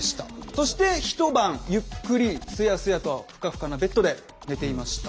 そして一晩ゆっくりすやすやとふかふかのベッドで寝ていました。